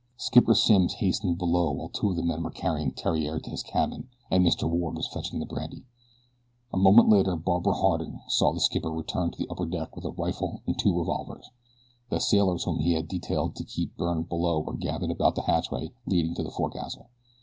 Skipper Simms hastened below while two of the men were carrying Theriere to his cabin and Mr. Ward was fetching the brandy. A moment later Barbara Harding saw the skipper return to the upper deck with a rifle and two revolvers. The sailors whom he had detailed to keep Byrne below were gathered about the hatchway leading to the forecastle.